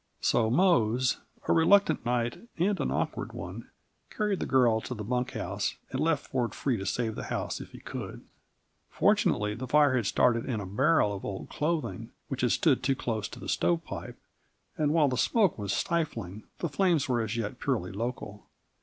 So Mose, a reluctant knight and an awkward one, carried the girl to the bunk house, and left Ford free to save the house if he could. Fortunately the fire had started in a barrel of old clothing which had stood too close to the stovepipe, and while the smoke was stifling, the flames were as yet purely local.